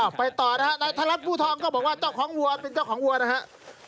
อ้าวไปต่อนะครับนายธรรมภูทองก็บอกว่าเจ้าของวัวเป็นเจ้าของวัวนะครับ